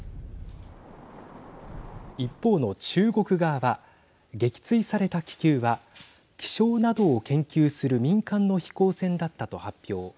一方の中国側は撃墜された気球は気象などを研究する民間の飛行船だったと発表。